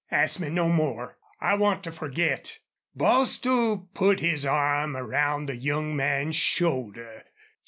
Ask me no more. I want to forget." Bostil put his arm around the young man's shoulder.